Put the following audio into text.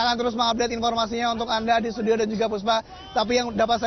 akan terus mengupdate informasinya untuk anda di studio dan juga puspa tapi yang dapat saya